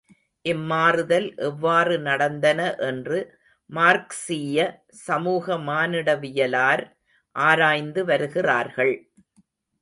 இம்மாறுதல் எவ்வாறு நடந்தன என்று மார்க்சீய சமூக மானிடவியலார் ஆராய்ந்து வருகிறார்கள்.